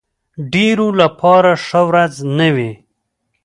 ډېرو لپاره ښه ورځ نه وي.